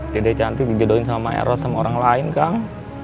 dede cantik dijodohin sama eros sama orang lain kang